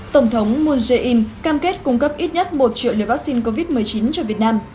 tổng thống moon jae in cam kết cung cấp ít nhất một triệu liều vaccine covid một mươi chín cho việt nam